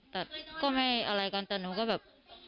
แต่ก็ไม่อะไรกันแต่หนูก็แบบ